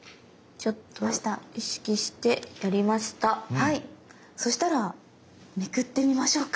はいそしたらめくってみましょうか。